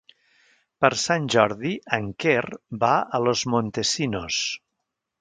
Per Sant Jordi en Quer va a Los Montesinos.